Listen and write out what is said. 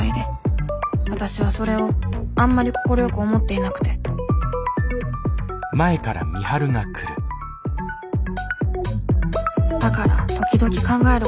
わたしはそれをあんまり快く思っていなくてだから時々考えることがある。